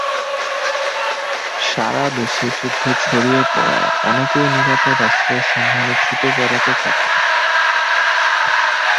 সারা দেশে যুদ্ধ ছড়িয়ে পড়ায় অনেকেই নিরাপদ আশ্রয়ের সন্ধানে ছুটে বেড়াতে থাকে।